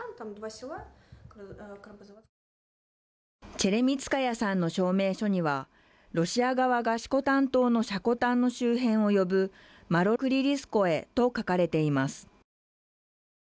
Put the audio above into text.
チェレミツカヤさんの証明書には、ロシア側が色丹島の斜古丹の周辺を呼ぶ「マロクリリスコエ」と書かれています。